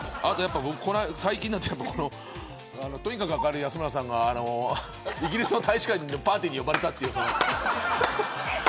最近なんてとにかく明るい安村さんがイギリス大使館にパーティーで呼ばれたっていう。